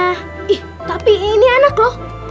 ih ih tapi ini enak loh